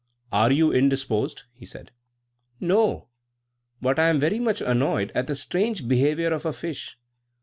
"Are you indisposed?" he said. "No; but I am very much annoyed at the strange behaviour of a fish.